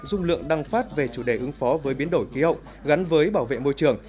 dung lượng đăng phát về chủ đề ứng phó với biến đổi khí hậu gắn với bảo vệ môi trường